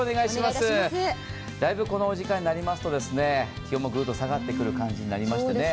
だいぶこのお時間になりますと気温もグッと下がってくる感じになりましたね。